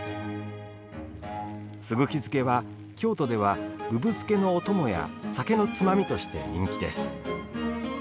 すぐき漬けは、京都ではぶぶ漬けのお供や酒のつまみとして人気です。